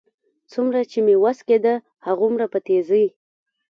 څومره چې مې وس کېده، هغومره په تېزۍ.